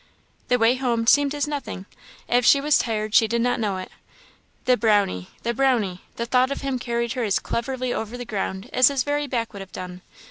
The way home seemed as nothing. If she was tired, she did not know it. The Brownie! the Brownie! the thought of him carried her as cleverly over the ground as his very back would have done.